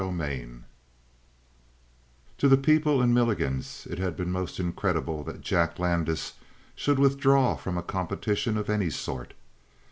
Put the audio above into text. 22 To the people in Milligan's it had been most incredible that Jack Landis should withdraw from a competition of any sort.